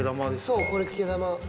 そう、これ、毛玉。